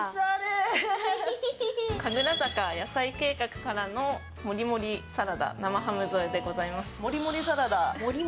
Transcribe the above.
神楽坂野菜計画からの森盛りサラダ生ハム添えでございます。